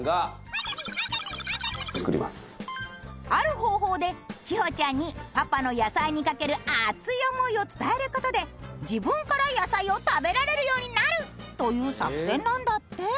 である方法で千穂ちゃんにパパの野菜にかける熱い想いを伝える事で自分から野菜を食べられるようになる！という作戦なんだって。